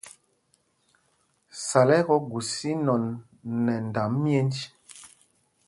Sal ɛ tɔ gus inɔn nɛ ndam myēnj.